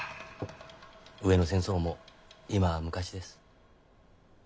上野戦争も今は昔です。